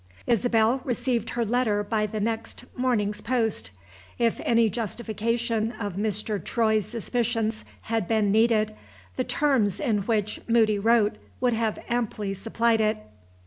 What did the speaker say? Isabel received her letter by the next morning's post. If any justification of Mr. Troy's suspicions had been needed, the terms in which Moody wrote would have amply supplied it.